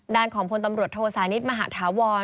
ด้านของพลตำรวจโทสานิทมหาธาวร